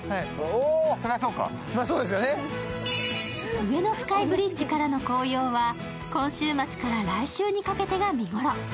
上野スカイブリッジからの紅葉は今週末から来週にかけてが見頃。